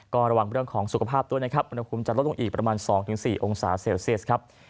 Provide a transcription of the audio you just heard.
ก็ระวังเรื่องของสุขภาพด้วยนะครับอุณหภูมิจะลดลงอีกประมาณ๒๔องศาเซลเซียสครับ